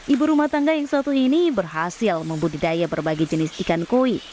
ibu rumah tangga yang satu ini berhasil membudidaya berbagai jenis ikan koi